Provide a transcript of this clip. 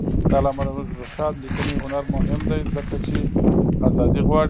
د علامه رشاد لیکنی هنر مهم دی ځکه چې آزادي غواړي.